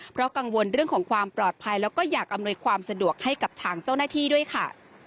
เพราะกังวลเรื่องของความปลอดภัยแล้วก็อยากอำนวยความสะดวกให้กับทางเจ้าหน้าที่ด้วยค่ะ